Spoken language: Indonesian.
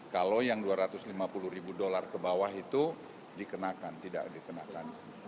dua ratus lima puluh dolar ke bawah itu dikenakan tidak dikenakan